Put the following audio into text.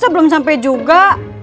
masa belum sampe juga